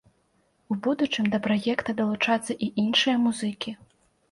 У будучым да праекта далучацца і іншыя музыкі.